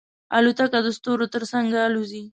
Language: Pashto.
الوتکه د ستورو تر څنګ الوزي.